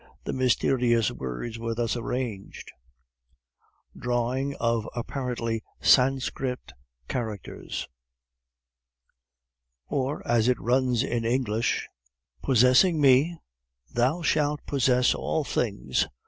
The mysterious words were thus arranged: [Drawing of apparently Sanskrit characters omitted] Or, as it runs in English: POSSESSING ME THOU SHALT POSSESS ALL THINGS.